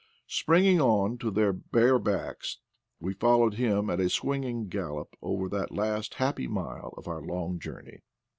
Springing on to their bare backs we followed him at a swinging gallop over that last happy mile of our long journey.